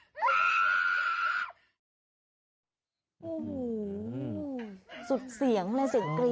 เธอเป็นใคร